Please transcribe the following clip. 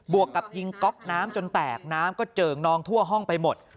วกกับยิงก๊อกน้ำจนแตกน้ำก็เจิ่งนองทั่วห้องไปหมด